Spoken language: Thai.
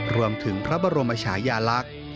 รวมถึงพระบรมชายาลักษณ์